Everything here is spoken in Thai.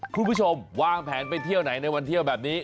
คุณผู้ชมวางแผนไปเที่ยวไหนในวันเที่ยวแบบนี้